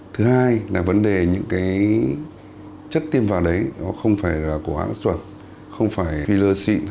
thứ hai là vấn đề những cái chất tiêm vào đấy nó không phải là của hãng chuẩn không phải filler xịn